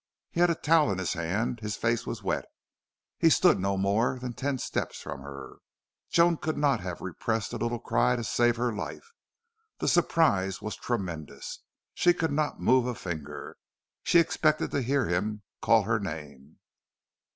He had a towel in his hand. His face was wet. He stood no more than ten steps from her. Joan could not have repressed a little cry to save her life. The surprise was tremendous. She could not move a finger. She expected to hear him call her name.